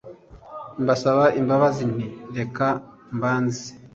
Mbasaba imbabazi nti : Reka mbanze